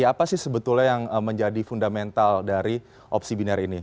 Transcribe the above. apa sih sebetulnya yang menjadi fundamental dari opsi binary ini